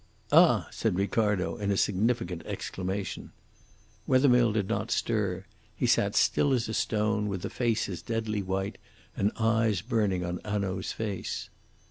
"Ah!" said Ricardo, in a significant exclamation. Wethermill did not stir. He sat still as a stone, with a face deadly white and eyes burning upon Hanaud's face.